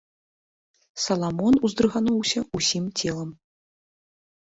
Саламон ўздрыгануўся ўсім целам.